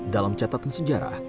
dalam catatan sejarah